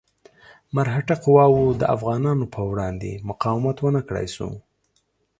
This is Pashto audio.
مرهټه قواوو د افغانانو په وړاندې مقاومت ونه کړای شو.